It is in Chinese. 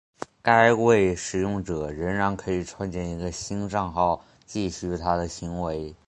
该位使用者仍然可以创建一个新帐号继续他的行为。